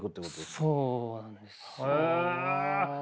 そうなんです。